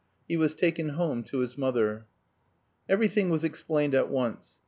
He was taken home to his mother. Everything was explained at once.